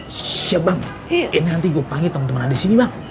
ssshh ya bang ini nanti gua panggil temen temen anda disini bang